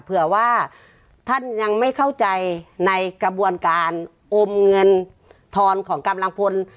เผื่อว่าท่านยังไม่เข้าใจในกระบวนการอมเงินทอนของกำลังพล